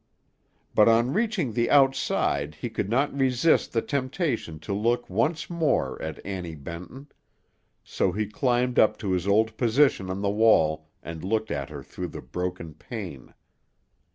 But on reaching the outside he could not resist the temptation to look once more at Annie Benton; so he climbed up to his old position on the wall, and looked at her through the broken pane.